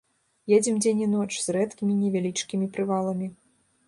Едзем дзень і ноч, з рэдкімі, невялічкімі прываламі.